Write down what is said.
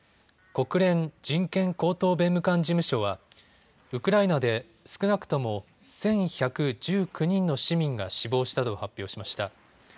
国連人権高等弁務官事務所はウクライナで少なくとも１１１９人の市民が死亡したと発表しました。